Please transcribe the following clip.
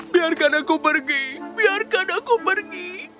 biarkan aku pergi biarkan aku pergi